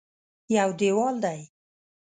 یو دېوال دی.